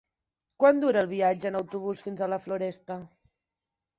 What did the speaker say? Quant dura el viatge en autobús fins a la Floresta?